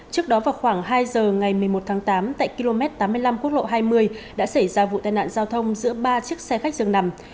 trước đó vào khoảng hai giờ ngày một mươi một tháng tám tại km tám mươi năm quốc lộ hai mươi đã xảy ra vụ tai nạn giao thông giữa ba chiếc xe khách dường nằm